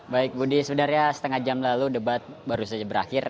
baik budi sebenarnya setengah jam lalu debat baru saja berakhir